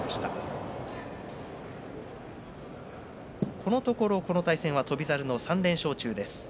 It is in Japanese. このところこの対戦は翔猿の３連勝中です。